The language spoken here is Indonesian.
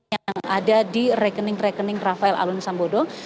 yang ada di rekening rekening rafael alun sambodo